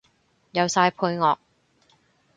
有晒配樂